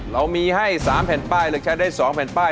เรามีให้๓แผ่นป้ายเลือกใช้ได้๒แผ่นป้าย